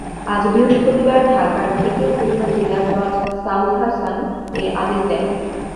আজ বৃহস্পতিবার ঢাকার তৃতীয় যুগ্ম জেলা জজ সাউদ হাসান এ আদেশ দেন।